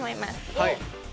はい。